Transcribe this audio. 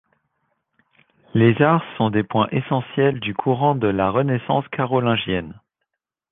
Les arts sont des points essentielles du courant de la renaissance carolingienne.